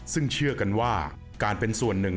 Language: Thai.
ซึ่งเชื่อกันว่าการเป็นส่วนหนึ่ง